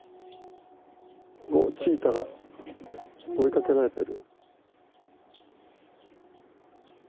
おチーターが追いかけられてる。